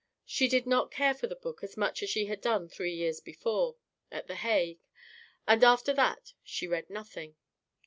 She did not care for the book as much as she had done three years before, at the Hague; and after that she read nothing.